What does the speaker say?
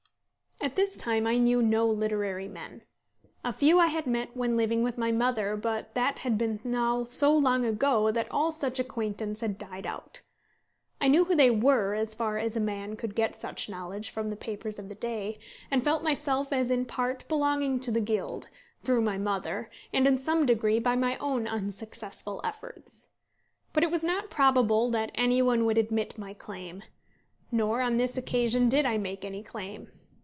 At this time I knew no literary men. A few I had met when living with my mother, but that had been now so long ago that all such acquaintance had died out. I knew who they were as far as a man could get such knowledge from the papers of the day, and felt myself as in part belonging to the guild, through my mother, and in some degree by my own unsuccessful efforts. But it was not probable that any one would admit my claim; nor on this occasion did I make any claim.